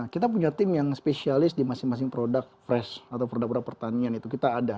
kita punya tim yang spesialis di masing masing produk fresh atau produk produk pertanian itu kita ada